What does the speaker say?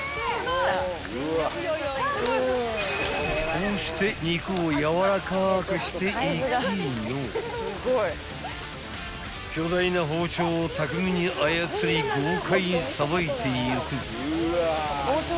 ［こうして肉をやわらかくしていきの巨大な包丁を巧みに操り豪快にさばいていく］